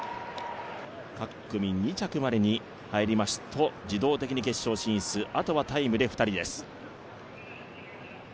各組２着までに入りますと自動的に決勝進出、あとはタイムで２人です。